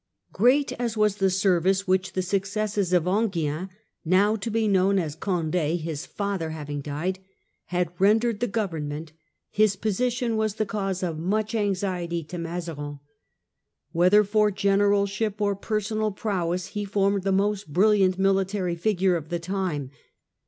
Great as was the service which the successes of Enghien (now to be known as Condd, his father having C \6 . nd k ac * ren dered the Government, his posi the7W/7f tion was the cause of much anxiety to Mazarin. tn ait res. Whether for generalship or personal prowess he formed the most brilliant military figure of the time.